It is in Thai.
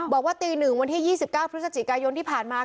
บอกว่าตี๑วันที่๒๙พฤศจิกายนที่ผ่านมา